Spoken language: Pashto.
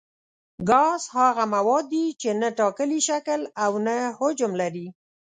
ګاز هغه مواد دي چې نه ټاکلی شکل او نه حجم لري.